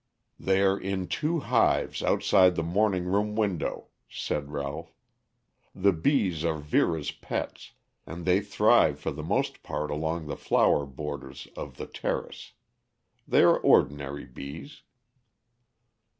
"They are in two hives outside the morning room window," said Ralph. "The bees are Vera's pets, and they thrive for the most part along the flower borders of the terrace. They are ordinary bees."